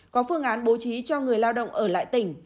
có phương án bố trí cho người lao động ở lại tỉnh